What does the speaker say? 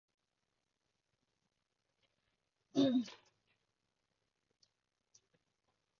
情人節自己訂幾千蚊紮花上公司俾自己簽收嗰啲朋友